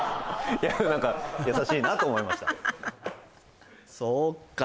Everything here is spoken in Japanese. いや何か優しいなと思いましたそうか